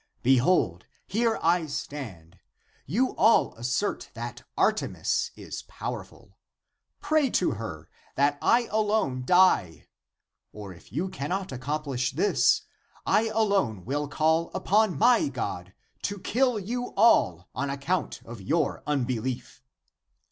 Behold, here I stand. You all assert that Artemis is powerful. Pray to her, that I alone die ! Or if you cannot accomplish this, I alone will call upon my God to kill you all on account of your unbelief."